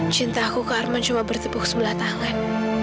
cinta aku ke arman cuma bertipu ke sebelah tangan